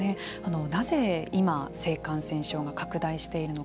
なぜ今、性感染症が拡大しているのか。